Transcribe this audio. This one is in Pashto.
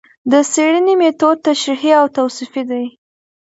د څېړنې مېتود تشریحي او توصیفي دی